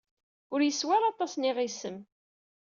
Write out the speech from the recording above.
Ur yeswi ara aṭas n yiɣisem.